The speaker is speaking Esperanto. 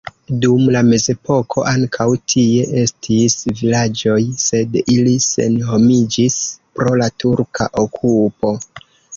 Dum la mezepoko ankaŭ tie estis vilaĝoj, sed ili senhomiĝis pro la turka okupo.